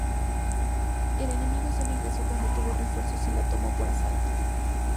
El enemigo sólo ingresó cuando tuvo refuerzos y la tomó por asalto.